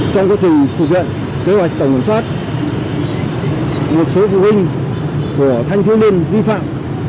trong quá trình thực hiện kế hoạch tổng kiểm soát một số phụ huynh của thanh thiếu niên vi phạm